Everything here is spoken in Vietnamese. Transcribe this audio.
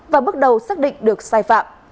và bắt đầu xác định được sai phạm